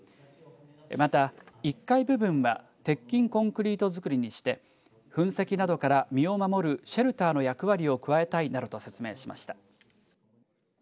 また１階部分は鉄筋コンクリート造りにして噴石などから身を守るシェルターの役割を加えたいなどと説明しました。